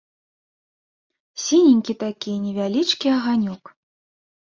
Сіненькі такі, невялічкі аганёк.